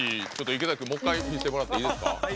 池崎さん、もう一回見せてもらっていいですか。